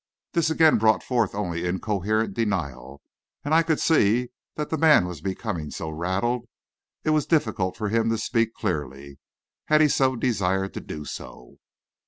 This again brought forth only incoherent denial, and I could see that the man was becoming so rattled, it was difficult for him to speak clearly, had he desired to do so.